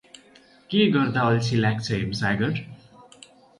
के गर्दा अल्छी लाग्छ हेमसागर?